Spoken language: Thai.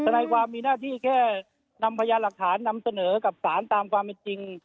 นายความมีหน้าที่แค่นำพยานหลักฐานนำเสนอกับสารตามความเป็นจริง